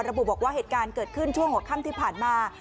ระบุบอกว่าเหตุการณ์เกิดขึ้นช่วงหัวค่ำที่ผ่านมา